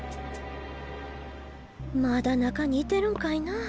まだ中にいてるんかいな？